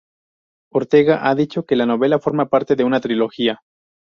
Ortega ha dicho que la novela forma parte de una trilogía.